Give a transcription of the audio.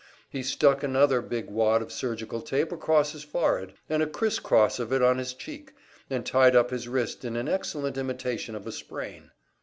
He stuck another big wad of surgical tape across his forehead, and a criss cross of it on his cheek, and tied up his wrist in an excellent imitation of a sprain.